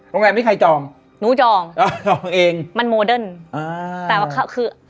โรงแรมนี้ใครจองหนูจองเออจองเองมันโมเดิร์นอ่าแต่ว่าคือ